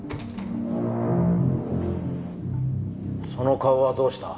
その顔はどうした？